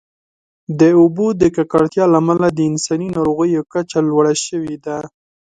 د اوبو د ککړتیا له امله د انساني ناروغیو کچه لوړه شوې ده.